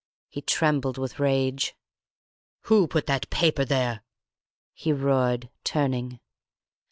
He trembled with rage. "Who put that paper there?" he roared, turning.